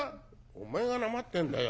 「お前がなまってんだよ。